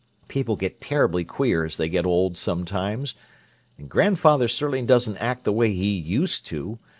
People get terribly queer as they get old, sometimes, and grandfather certainly doesn't act the way he used to.